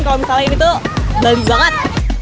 kalau misalnya ini tuh bali banget